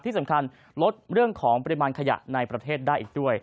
ที่สำคัญลดเรื่องของปริมาณขยะในประเทศได้อีกด้วย